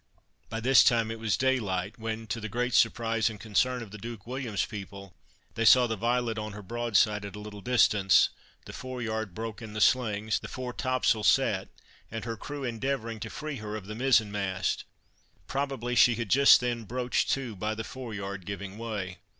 By this time it was day light, when, to the great surprise and concern of the Duke William's people, they saw the Violet on her broadside at a little distance, the fore yard broke in the slings, the fore topsail set, and her crew endeavoring to free her of the mizen mast; probably she had just then broached to by the fore yard giving way.